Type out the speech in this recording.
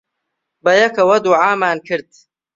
بەیەکەوە دوعامان کرد.